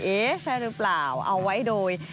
เอ๊ะใช่หรือเปล่าเอาไว้โดย